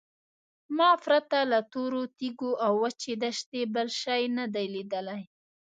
ما پرته له تورو تیږو او وچې دښتې بل شی نه دی لیدلی.